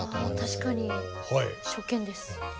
確かに初見です。